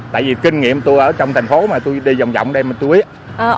tại vì kinh nghiệm tôi ở trong thành phố mà tôi đi vòng vòng đây mà tôi biết